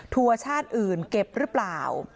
ทัวร์ชาติอื่นเก็บหรือเปล่า